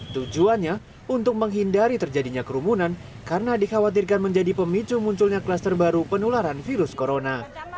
tujuannya untuk menghindari terjadinya kerumunan karena dikhawatirkan menjadi pemicu munculnya klaster baru penularan virus corona